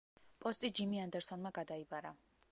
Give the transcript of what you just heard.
პოსტი ჯიმი ანდერსონმა გადაიბარა.